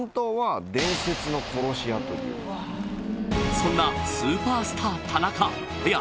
そんなスーパースター田中いや